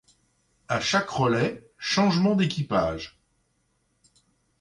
A chaque relais, changement d'équipage.